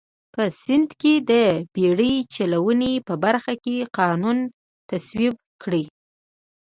په سیند کې د بېړۍ چلونې په برخه کې قانون تصویب کړ.